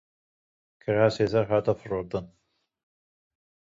Kirasê zer hat firotin.